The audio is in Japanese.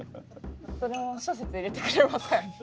それも諸説入れてくれません？